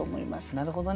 なるほどね。